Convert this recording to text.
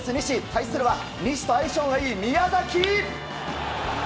対するは西と相性がいい宮崎！